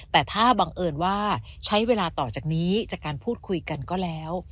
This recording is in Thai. แต่ถ้าบังเอิญว่าใช้เวลาต่อจากนี้จากการพูดคุยกันก็แล้ว